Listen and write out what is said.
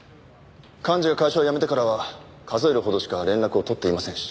寛二が会社を辞めてからは数えるほどしか連絡を取っていませんし。